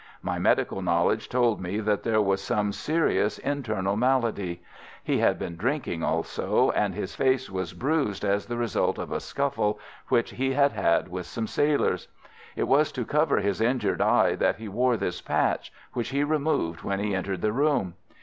My medical knowledge told me that there was some serious internal malady. He had been drinking also, and his face was bruised as the result of a scuffle which he had had with some sailors. It was to cover his injured eye that he wore this patch, which he removed when he entered the room.